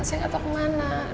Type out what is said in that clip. gak ada saya gak tau kemana